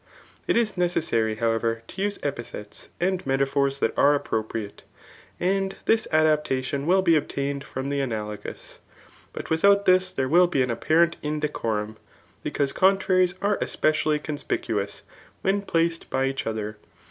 It is necessary, however, to use epithets and metaphors that are zppropmt^ ; and this adaptation will be obtained ffote the analogous. But without this there will be an apparent indecorum, because contraries are espcdally conspicuous, when placed by each other.